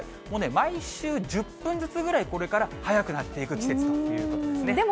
もうね、毎週１０分ずつぐらい、これから早くなっていく季節ということですね。